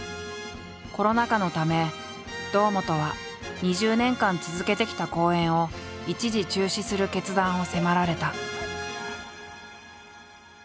コロナ禍のため堂本は２０年間続けてきた公演を一時中止する決断を迫られた。